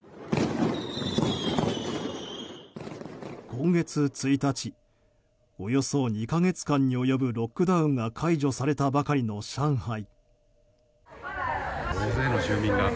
今月１日、およそ２か月間に及ぶロックダウンが解除されたばかりの上海。